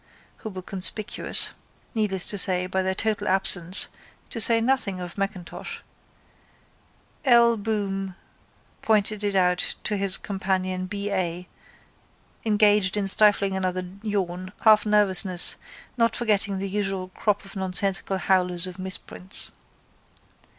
who were conspicuous, needless to say, by their total absence (to say nothing of M'Intosh) L. Boom pointed it out to his companion B. A. engaged in stifling another yawn, half nervousness, not forgetting the usual crop of nonsensical howlers of misprints.